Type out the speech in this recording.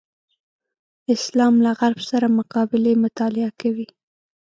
اسلام له غرب سره مقابلې مطالعه کوي.